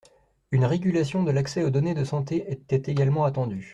Une régulation de l’accès aux données de santé était également attendue.